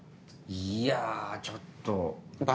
いやちょっと。